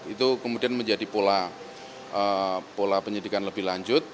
itu kemudian menjadi pola penyidikan lebih lanjut